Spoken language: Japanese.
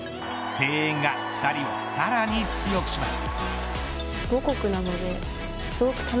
声援が２人をさらに強くします。